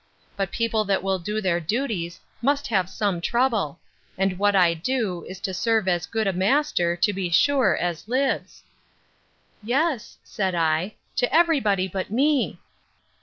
—But people that will do their duties, must have some trouble: and what I do, is to serve as good a master, to be sure, as lives.—Yes, said I, to every body but me!